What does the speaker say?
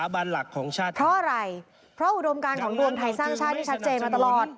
เพราะอะไรเพราะอุดมการของรวมไทยสร้างชาตินี้ชัดเจนมาตลอด